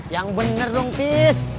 yang bener dong tis